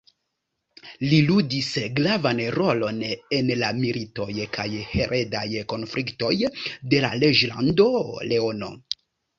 Li ludis gravan rolon en la militoj kaj heredaj konfliktoj de la Reĝlando Leono.